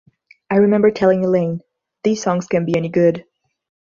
I remember telling Elaine, 'These songs can't be any good.